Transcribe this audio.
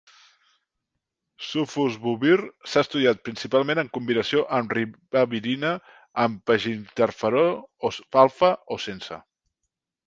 Sofosbuvir s'ha estudiat principalment en combinació amb ribavirina, amb peginterferó alfa o sense.